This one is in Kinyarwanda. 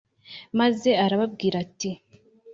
Maze arababwira ati